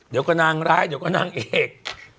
เดี๋ยวก็นางร้ายเดี๋ยวก็นางเอก